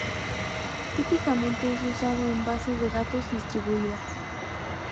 Típicamente es usado en Bases de datos distribuidas.